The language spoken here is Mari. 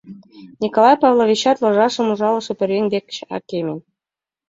Николай Павловичат ложашым ужалыше пӧръеҥ дек чакеме.